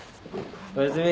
おやすみ。